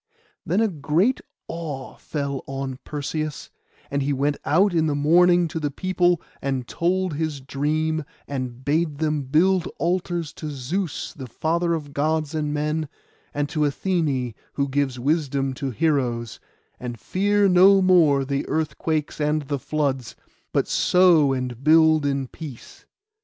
Then a great awe fell on Perseus; and he went out in the morning to the people, and told his dream, and bade them build altars to Zeus, the Father of Gods and men, and to Athené, who gives wisdom to heroes; and fear no more the earthquakes and the floods, but sow and build in peace.